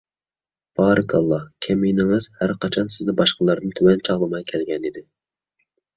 بارىكاللاھ! كەمىنىڭىز ھەرقاچان سىزنى باشقىلاردىن تۆۋەن چاغلىماي كەلگەنىدى.